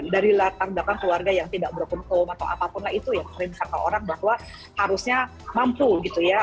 dari latar belakang keluarga yang tidak broken hukum atau apapun lah itu ya sering sangka orang bahwa harusnya mampu gitu ya